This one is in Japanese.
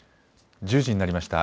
１０時になりました。